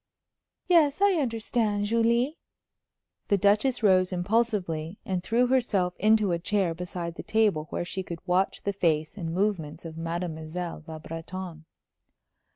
"Yes, I understand. Julie!" The Duchess rose impulsively, and threw herself into a chair beside the table where she could watch the face and movements of Mademoiselle Le Breton.